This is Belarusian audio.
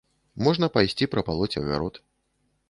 Можна пайсці прапалоць агарод.